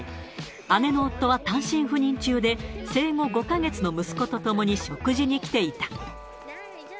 姉の夫は単身赴任中で、生後５か月の息子と共に食事に来ていた。